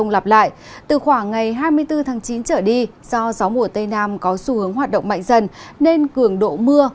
ngày khoảng ngày hai mươi bốn tháng chín trở đi do gió mùa tây nam có xu hướng hoạt động mạnh dần nên cường độ mưa